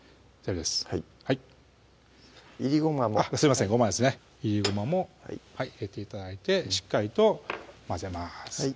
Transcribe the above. はいいりごまもすいませんごまですねいりごまも入れて頂いてしっかりと混ぜます